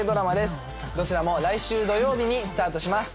どちらも来週土曜日にスタートします。